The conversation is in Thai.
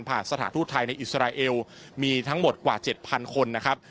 สถานทูตไทยในอิสราเอลมีทั้งหมดกว่า๗๐๐คนนะครับ